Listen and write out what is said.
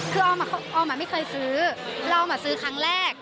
คือออมไม่เคยซื้อออมซื้อครั้งแรก